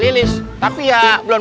jalan lagi dodot